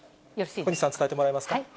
小西さん、伝えてもらえますか。